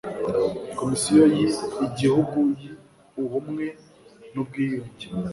Komisiyo y Igihugu y Ubumwe nubwiyunge